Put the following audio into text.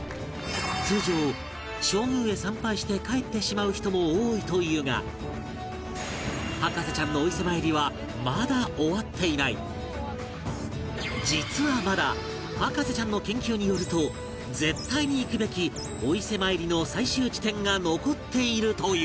通常正宮へ参拝して帰ってしまう人も多いというが博士ちゃんの実はまだ博士ちゃんの研究によると絶対に行くべきお伊勢参りの最終地点が残っているという